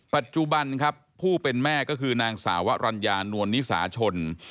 ปัจจุบันครับผู้เป็นแม่ก็คือนางสาวรัญญานวลนิสาชน